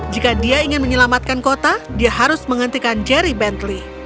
jika dia ingin menyelamatkan kota dia harus menghentikan jerry bentley